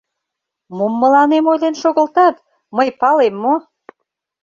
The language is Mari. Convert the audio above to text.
— Мом мыланем ойлен шогылтат, мый палем мо?